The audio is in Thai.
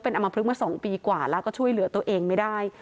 อำมพลึกมา๒ปีกว่าแล้วก็ช่วยเหลือตัวเองไม่ได้